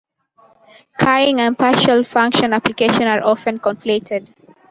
Currying and partial function application are often conflated.